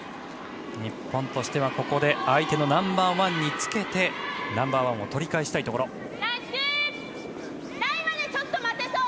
日本としてはここで相手のナンバーワンにつけてナンバーワンをとり返したいところ。